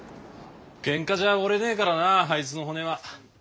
ケンカじゃ折れねえからなあいつの骨は。